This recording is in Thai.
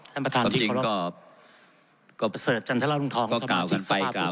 ท่านประทานที่ขอรับก็กล่าวกันไปกล่าวกันมานะครับ